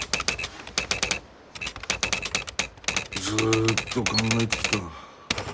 ずっと考えてきた。